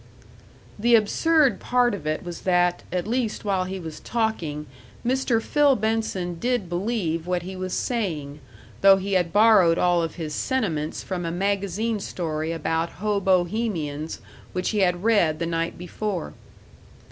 The absurd part of it was that, at least while he was talking, Mr. Phil Benson did believe what he was saying, though he had borrowed all of his sentiments from a magazine story about hobohemians which he had read the night before.